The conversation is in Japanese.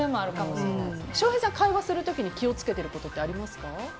翔平さん、会話する時に気を付けてることってありますか。